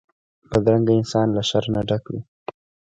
بدرنګه انسان له شر نه ډک وي